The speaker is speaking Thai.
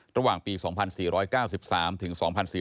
ระหว่างปี๒๔๙๓ถึง๒๔๔